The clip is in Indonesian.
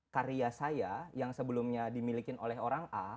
karya saya yang sebelumnya dimiliki oleh orang a